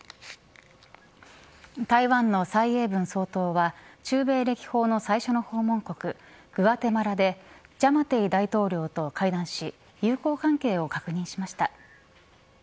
台湾の蔡英文総統は中米歴訪の最初の訪問国グアテマラでジャマテイ大統領と会談し友好関係を確認しました。